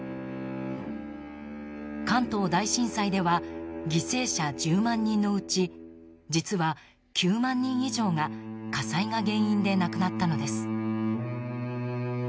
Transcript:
関東大震災では犠牲者１０万人のうち実は、９万人以上が火災が原因で亡くなったのです。